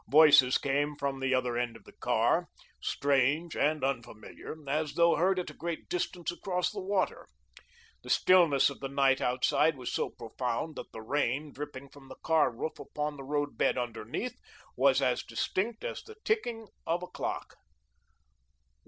Voices came from the other end of the car, strange and unfamiliar, as though heard at a great distance across the water. The stillness of the night outside was so profound that the rain, dripping from the car roof upon the road bed underneath, was as distinct as the ticking of a clock.